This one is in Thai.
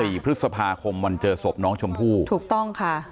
พฤษภาคมวันเจอศพน้องชมพู่ถูกต้องค่ะ